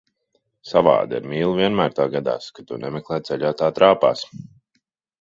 Savādi, ar mīlu vienmēr tā gadās, kad to nemeklē, ceļā tā trāpās.